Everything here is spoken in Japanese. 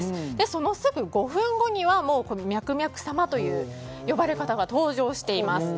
そのすぐ５分後にはもうこのミャクミャク様という呼ばれ方が登場しています。